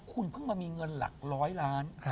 คุณเพิ่งมามีเงินหลักร้อยล้าน